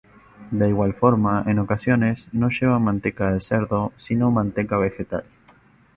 De igual forma, en ocasiones no lleva manteca de cerdo sino manteca vegetal.